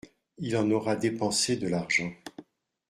Il en aura dépensé de l’argent.